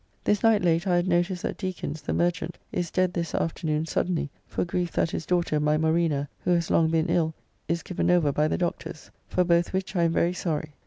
This night late I had notice that Dekins, the merchant, is dead this afternoon suddenly, for grief that his daughter, my Morena, who has long been ill, is given over by the Doctors. For both which I am very sorry.